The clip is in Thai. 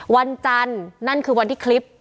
วันจันทร์นั่นคือวันที่คลิป